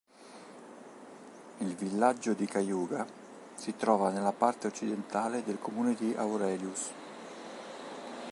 Il villaggio di Cayuga si trova nella parte occidentale del comune di Aurelius.